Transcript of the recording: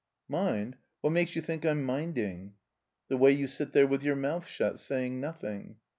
'* "Mind? What makes you think I'm minding?" "The way you sit there with your mouth shut, saying nothing."